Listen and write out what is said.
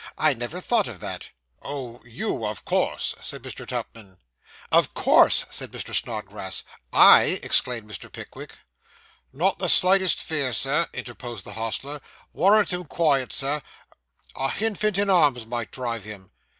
I never thought of that.' 'Oh! you, of course,' said Mr. Tupman. 'Of course,' said Mr. Snodgrass. 'I!' exclaimed Mr. Pickwick. 'Not the slightest fear, Sir,' interposed the hostler. 'Warrant him quiet, Sir; a hinfant in arms might drive him.